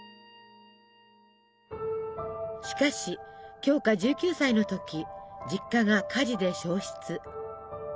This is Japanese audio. しかし鏡花１９歳の時実家が火事で焼失。